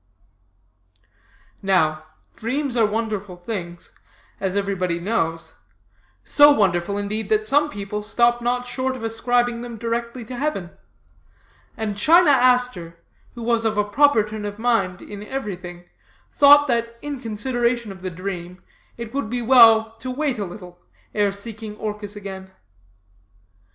"Now, dreams are wonderful things, as everybody knows so wonderful, indeed, that some people stop not short of ascribing them directly to heaven; and China Aster, who was of a proper turn of mind in everything, thought that in consideration of the dream, it would be but well to wait a little, ere seeking Orchis again.